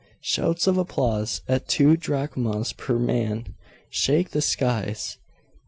Shouts of applause, at two drachmas per man, shake the skies.